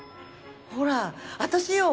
ほら私よ。